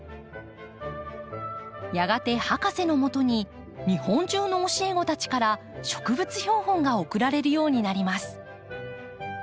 やがて博士のもとに日本中の教え子たちから植物標本が送られるようになります。